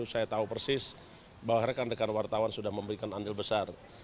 saya tahu persis bahwa rekan rekan wartawan sudah memberikan andil besar